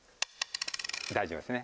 大丈夫ですね。